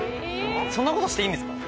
そんなことしていいんですか？